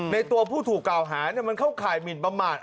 ตัวผู้ถูกกล่าวหามันเข้าข่ายหมินประมาท